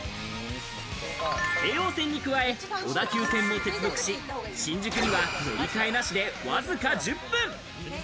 京王線に加え、小田急線も接続し、新宿には乗り換えなしでわずか１０分。